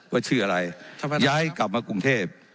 ว่าชื่ออะไรท่านพระนักฐานย้ายกลับมากรุงเทพ